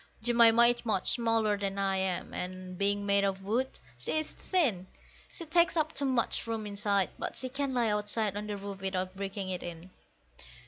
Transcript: Jemima is much smaller than I am, and, being made of wood, she is thin; She takes up too much room inside, but she can lie outside on the roof without breaking it in.